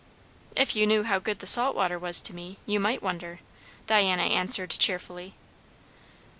"If you knew how good the salt water was to me, you might wonder," Diana answered cheerfully.